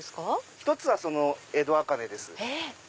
１つはその江戸茜です。